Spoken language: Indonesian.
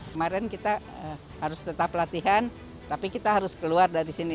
kemarin kita harus tetap latihan tapi kita harus keluar dari sini